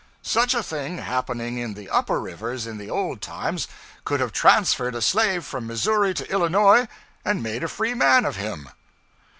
Such a thing, happening in the upper river in the old times, could have transferred a slave from Missouri to Illinois and made a free man of him.